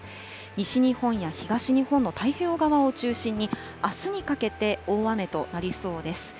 西日本や東日本の太平洋側を中心に、あすにかけて大雨となりそうです。